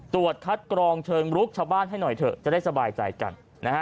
ตรวจคัดกรองเชิงลุกชาวบ้านให้หน่อยเถอะจะได้สบายใจกันนะฮะ